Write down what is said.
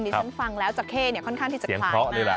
ที่ฉันฟังแล้วจักเคค่อนข้างที่จะขายมาก